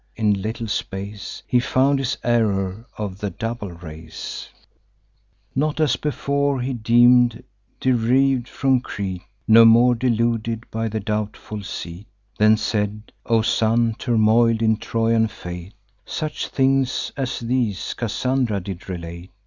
In little space He found his error of the double race; Not, as before he deem'd, deriv'd from Crete; No more deluded by the doubtful seat: Then said: 'O son, turmoil'd in Trojan fate! Such things as these Cassandra did relate.